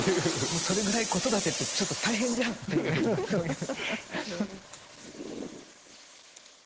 もうそれぐらい子育てってちょっと大変じゃんっていうそういう。